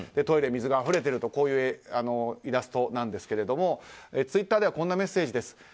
トイレ、水があふれてるというイラストなんですけれどもツイッターではこんなメッセージです。